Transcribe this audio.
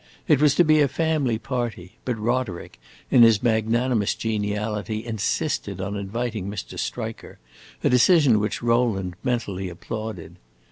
It was to be a family party, but Roderick, in his magnanimous geniality, insisted on inviting Mr. Striker, a decision which Rowland mentally applauded.